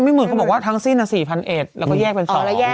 ไม่เหมือนเค้าบอกว่าทั้งสิ้นอะ๔๑๐๐แล้วก็แยกเป็น๒